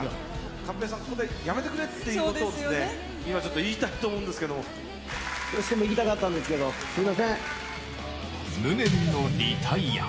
寛平さん、ここでやめてくれっていうことをですね、今、ずっと言いたいと思どうしても行きたかったんで無念のリタイア。